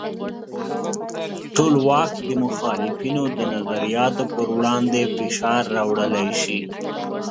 ټولواک د مخالفینو د نظریاتو پر وړاندې فشار راوړلی شي.